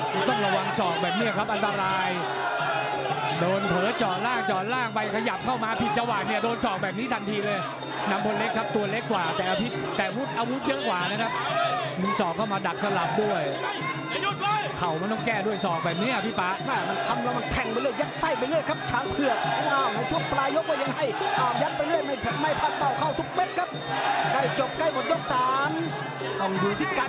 มันมันมันมันมันมันมันมันมันมันมันมันมันมันมันมันมันมันมันมันมันมันมันมันมันมันมันมันมันมันมันมันมันมันมันมันมันมันมันมันมันมันมันมันมันมันมันมันมันมันมันมันมันมันมันม